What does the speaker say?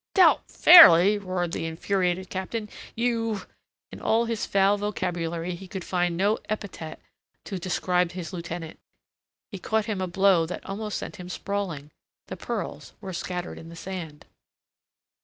"Dealt fairly?" roared the infuriated Captain. "You...." In all his foul vocabulary he could find no epithet to describe his lieutenant. He caught him a blow that almost sent him sprawling. The pearls were scattered in the sand.